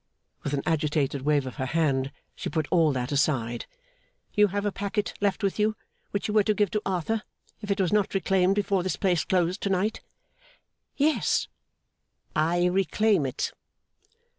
With an agitated wave of her hand, she put all that aside. 'You have a packet left with you which you were to give to Arthur, if it was not reclaimed before this place closed to night.' 'Yes.' 'I reclaim it.